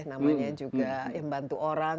namanya juga membantu orang